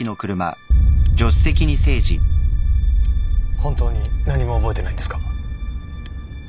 本当に何も覚えてないんですか？